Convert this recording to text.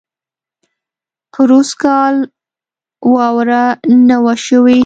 پروسږ کال واؤره نۀ وه شوې